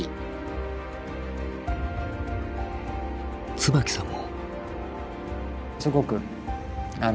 椿さんも。